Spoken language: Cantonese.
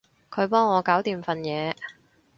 佢幫我搞掂份嘢